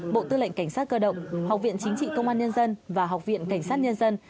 bộ tư lệnh cảnh sát cơ động học viện chính trị công an nhân dân và học viện cảnh sát nhân dân